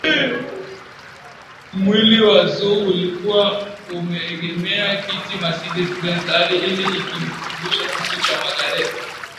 Mwili wa Zo ulikuwa umeegemea kiti Mercedes benz hali ile ilimkumbusha kifo cha Magreth